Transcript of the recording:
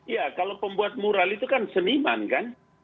ya kalau pembuat mural itu kan seniman kan